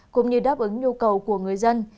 cũng như đáp ứng nhu cầu của người dân